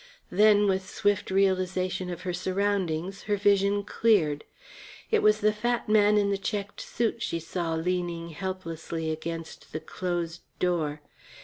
Then with swift realization of her surroundings, her vision cleared. It was the fat man in the checked suit she saw leaning helplessly against the closed door.